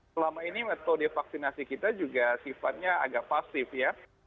selama ini metode vaksinasi kita juga sifatnya agak pasif ya